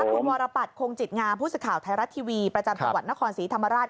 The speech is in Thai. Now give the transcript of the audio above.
คุณวรปัตรคงจิตงามผู้สื่อข่าวไทยรัฐทีวีประจำจังหวัดนครศรีธรรมราช